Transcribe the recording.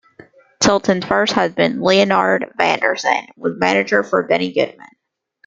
Tilton's first husband, Leonard Vannerson, was manager for Benny Goodman.